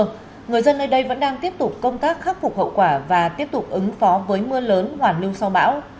nhưng nơi đây vẫn đang tiếp tục công tác khắc phục hậu quả và tiếp tục ứng phó với mưa lớn hoàn lưu sau bão